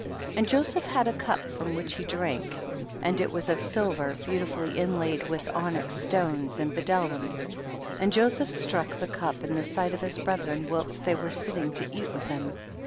11. And Joseph had a cup from which he drank, and it was of silver beautifully inlaid with onyx stones and bdellium, and Joseph struck the cup in the sight of his brethren whilst they were sitting to eat with him.